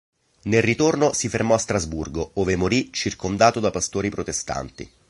Nel ritorno si fermò a Strasburgo, ove morì circondato da pastori protestanti.